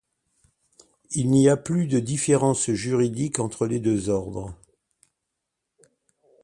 Il n'y a plus de différences juridiques entre les deux ordres.